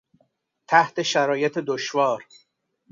تحت شرایط دشوار